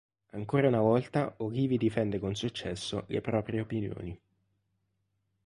Ancora una volta Olivi difende con successo le proprie opinioni.